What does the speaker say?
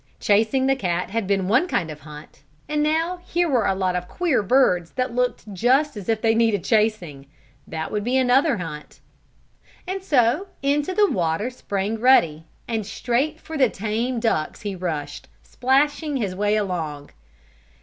Chasing the cat had been one kind of a hunt, and now here were a lot of queer birds that looked just as if they needed chasing. That would be another hunt. And so into the water sprang Ruddy, and straight for the tame ducks he rushed, splashing his way along.